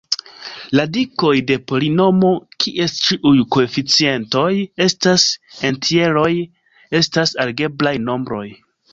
Radikoj de polinomo, kies ĉiuj koeficientoj estas entjeroj, estas algebraj nombroj.